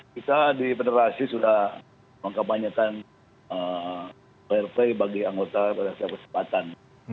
kita di federasi sudah mengkapanyakan fair play bagi anggota pada setiap kesempatan